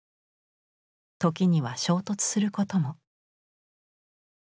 時には衝突することも。